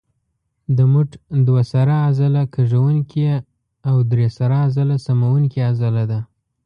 د مټ دوه سره عضله کږوونکې او درې سره عضله سموونکې عضله ده.